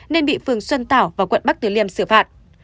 nên bị phường xuân tảo và quận bắc tử liêm xử phạt